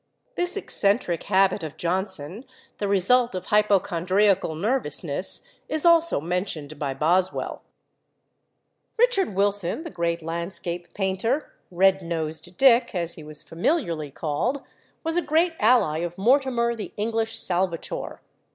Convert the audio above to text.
This eccentric habit of Johnson, the result of hypochondriacal nervousness, is also mentioned by Boswell. [Illustration: EXETER CHANGE, 1821.] Richard Wilson, the great landscape painter "Red nosed Dick," as he was familiarly called was a great ally of Mortimer, "the English Salvator."